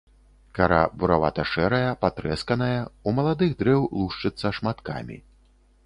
Кара буравата-шэрая, патрэсканая, у маладых дрэў лушчыцца шматкамі.